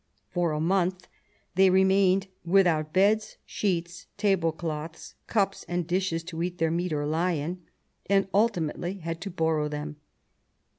For a month they remained "without beds, sheets, tablecloths, cups, and dishes to eat their meat or lie in," and ultimately had to borrow them.